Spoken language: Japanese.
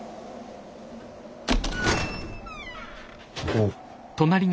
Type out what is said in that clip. おっ。